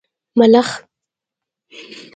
🦗 ملخ